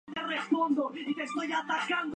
Pertenece a la plantilla de los Brooklyn Nets.